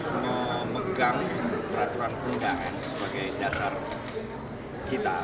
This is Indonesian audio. memegang peraturan perundangan sebagai dasar kita